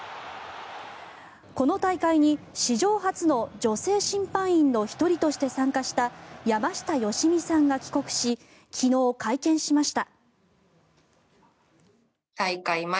この大会に史上初の女性審判員の１人として参加した山下良美さんが帰国し昨日、会見しました。